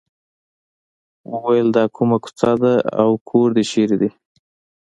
وویل دا کومه کوڅه ده او کور دې چېرته دی.